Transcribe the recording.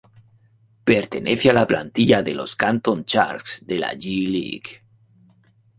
Pertenece a la plantilla de los Canton Charge de la G League.